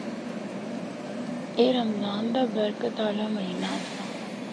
اے رمضان دا برکت آلہ مہینہ آسا۔